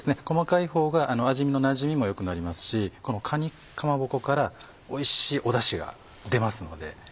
細かいほうが味のなじみも良くなりますしかにかまぼこからおいしいおダシが出ますので。